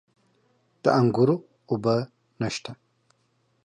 د انګورو اوبه نشته؟